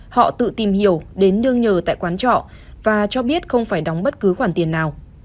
họ tự tìm hiểu đến nương nhờ tại quán trọ và cho biết không phải đóng bất cứ khoản tiền nào